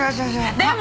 でも！